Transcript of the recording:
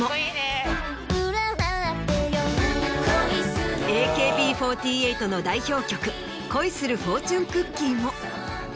恋するＡＫＢ４８の代表曲『恋するフォーチュンクッキー』も。